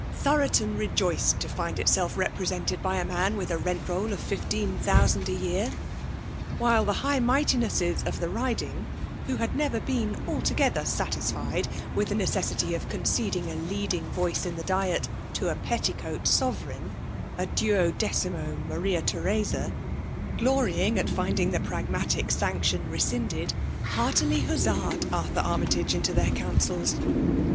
Thoroton rejoiced to find itsdf represented by a man with a rest roU of fifteen thousand a*year, while the hi^ odghtinesses of the Bidm^, who had never b»en altogether satisfied with the necessity of conceding a leading Toicc in the Diet to a petticoat sovereign — a duodecimo Bfazia Theresa — glorying at finding the pragmstnr sfmction rescinded^ heaxiily Imacaed Arthar Armytage into their councils.